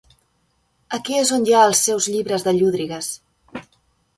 Aquí és on hi ha els seus "llibres de llúdrigues".